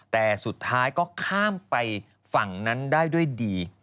แต่สุดท้ายก็ข้ามไปฝั่งนั้นได้ด้วยดี